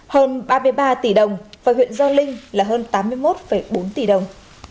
hơn ba mươi ba tỷ đồng và huyện gio linh là hơn tám mươi một bốn tỷ đồng